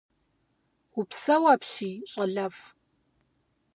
-Упсэу апщий, щӀэлэфӀ.